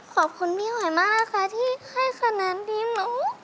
ขอบคุณพี่หอยมากนะคะที่ให้คะแนนดีมหนู